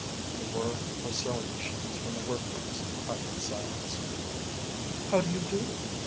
The whir of sewing machines from the workrooms cut the silence. "How do you do?"